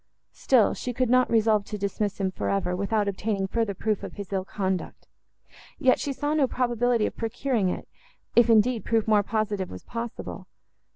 Still she could not resolve to dismiss him for ever, without obtaining further proof of his ill conduct; yet she saw no probability of procuring it, if, indeed, proof more positive was possible.